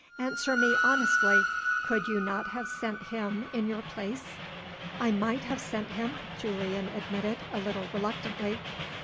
Answer me honestly could you not have sent him in your place?" "I might have sent him," Julian admitted, a little reluctantly.